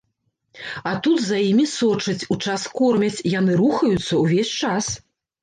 А тут за імі сочаць, у час кормяць, яны рухаюцца ўвесь час.